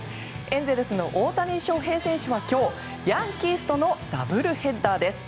エンゼルスの大谷翔平選手は今日ヤンキースとのダブルヘッダーです。